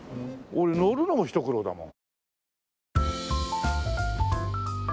俺乗るのもひと苦労だもん。